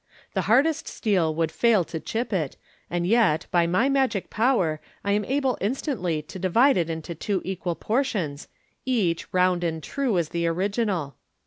*• The hardest steel would fail to chip it, and yet, by my magic power, I am able instantly to divide it into two equal portions, each round and true as the original."